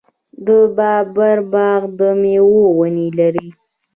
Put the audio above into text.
د بابر باغ د میوو ونې لري.